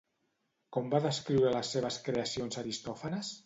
Com va descriure les seves creacions Aristòfanes?